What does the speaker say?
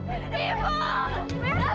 gila kejar lihat